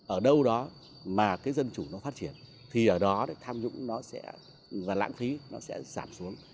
ở đâu đó mà cái dân chủ nó phát triển thì ở đó tham nhũng nó sẽ và lãng phí nó sẽ giảm xuống